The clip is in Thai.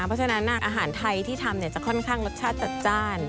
เพราะฉะนั้นอาหารไทยที่ทำจะค่อนข้างรสชาติจัดจ้าน